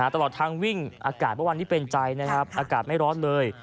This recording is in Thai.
ตลอดทางวิ่งอากาศเมื่อวานนี้เป็นใจนะครับอากาศไม่ร้อนเลย